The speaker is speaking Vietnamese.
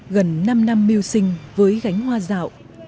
gần năm năm mưu sinh với gánh hoa dạo